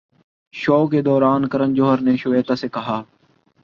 شو کے دوران کرن جوہر نے شویتا سے کہا